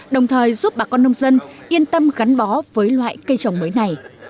đồng thời giúp bà con nông dân yên tâm gắn bó với loại cây trồng mới này